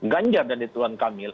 ganjar dan dituan kamil